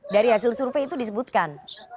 dari hasil survei itu disebutkan